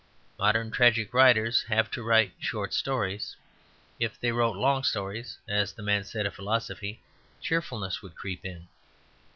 Modern tragic writers have to write short stories; if they wrote long stories (as the man said of philosophy) cheerfulness would creep in.